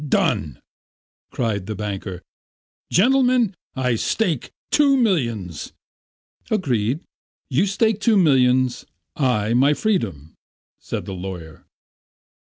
Done!" cried the banker. "Gentlemen, I stake two millions." "Agreed. You stake two millions, I my freedom," said the lawyer.